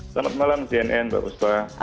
selamat malam cnn mbak buspa